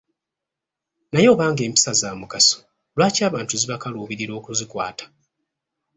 Naye oba ng'empisa za mugaso lwaki abantu zibakaluubirira okuzikwata?